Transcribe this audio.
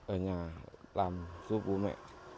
ở nhà làm giúp bố mẹ